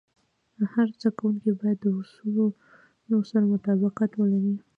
هر زده کوونکی باید د اصولو سره مطابقت ولري.